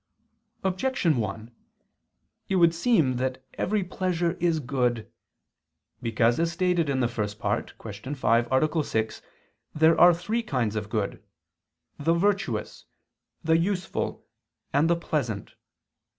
Objection 1: It would seem that every pleasure is good. Because as stated in the First Part (Q. 5, A. 6) there are three kinds of good: the virtuous, the useful, and the pleasant.